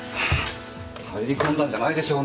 入り込んだんじゃないでしょうねえ。